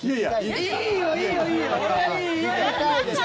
いいよ、いいよ、いいよ。